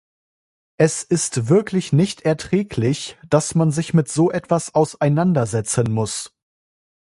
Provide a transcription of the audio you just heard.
Es ist wirklich nicht erträglich, dass man sich mit so etwas auseinandersetzen muss.